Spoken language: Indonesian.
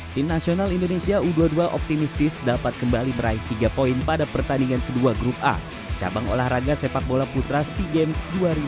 tim nasional indonesia u dua puluh dua optimistis dapat kembali meraih tiga poin pada pertandingan kedua grup a cabang olahraga sepak bola putra sea games dua ribu dua puluh